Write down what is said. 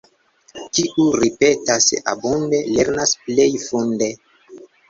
Kiu ripetas abunde, lernas plej funde.